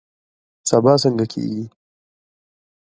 سبا څنګه کیږي؟